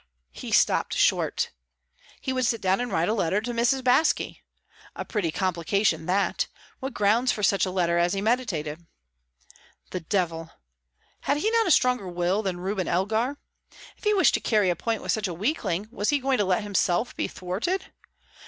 He stopped short. He would sit down and write a letter to Mrs. Baske. A pretty complication, that! What grounds for such a letter as he meditated? The devil! Had he not a stronger will than Reuben Elgar? If he wished to carry a point with such a weakling, was he going to let himself be thwarted?